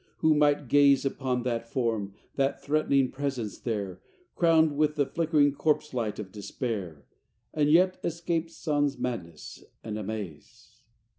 Who might gaze Upon that form, that threatening presence there, Crowned with the flickering corpse lights of Despair, And yet escape sans madness and amaze?